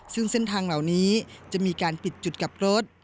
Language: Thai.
ซึ่งเส้นทางเหล่านี้จะมีการปิดจุดกลับรถ